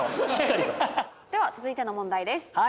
では続いての問題です。